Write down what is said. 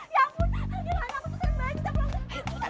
ya ampun gerhana